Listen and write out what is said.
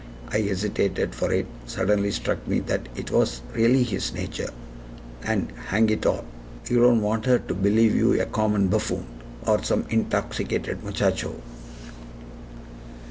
I hesitated, for it suddenly struck me that it WAS really his nature. "And hang it all! you don't want her to believe you a common buffoon., or some intoxicated muchacho."